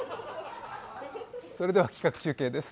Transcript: それでは企画中継です。